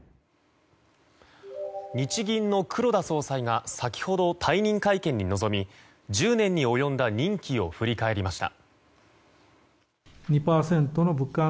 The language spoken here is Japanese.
日銀の黒田総裁が先ほど、退任会見に臨み１０年に及んだ任期を振り返りました。